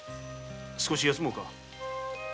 少し休もうか。